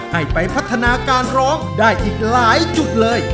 ให้ไปพัฒนาการร้องได้อีกหลายจุดเลย